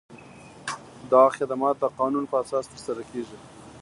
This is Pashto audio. دا خدمات د قانون په اساس ترسره کیږي.